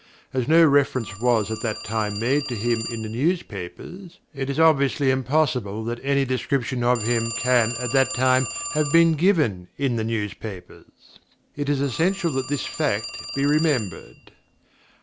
As no reference was at that time made to him in the newspapers, it is obviously impossible that any description of him can at that time have been given in the newspapers. It is essential that this fact be remembered.